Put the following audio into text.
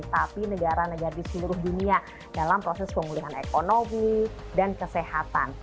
tapi negara negara di seluruh dunia dalam proses pemulihan ekonomi dan kesehatan